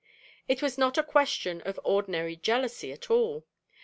It was not a question of ordinary jealousy at all.